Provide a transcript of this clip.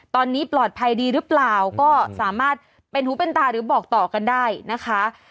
ตอนนี้ปลอดภัยดีหรือเปล่าก็สามารถเป็นหูเป็นตาหรือบอกต่อกันได้นะคะ